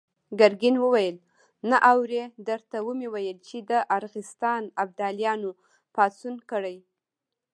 ګرګين وويل: نه اورې! درته ومې ويل چې د ارغستان ابداليانو پاڅون کړی.